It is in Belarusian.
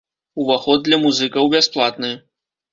Уваход для музыкаў бясплатны.